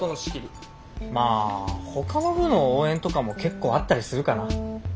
まあほかの部の応援とかも結構あったりするかな。